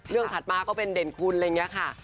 เรื่องถัดมาก็เป็นเด่นคุณอะไรอย่างเงี้ยค่ะ